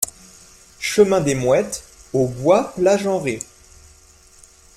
Chemin des Mouettes au Bois-Plage-en-Ré